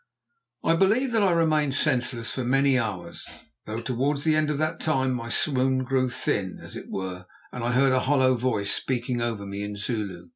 I believe that I remained senseless for many hours, though towards the end of that time my swoon grew thin, as it were, and I heard a hollow voice speaking over me in Zulu.